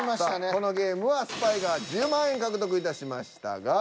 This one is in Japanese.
このゲームはスパイが１０万円獲得いたしましたが。